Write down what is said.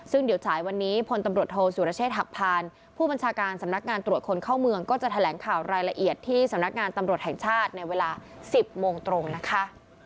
ซึ่งเดี๋ยวสายวันนี้พลตำรวจโทษสุรเชษฐหักพานผู้บัญชาการสำนักงานตรวจคนเข้าเมืองก็จะแถลงข่าวรายละเอียดที่สำนักงานตำรวจแห่งชาติในเวลา๑๐โมงตรงนะคะ